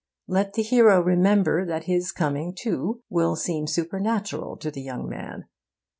Let the hero remember that his coming, too, will seem supernatural to the young man.